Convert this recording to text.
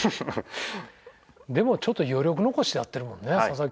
でもちょっと余力残してやってるもんね佐々木。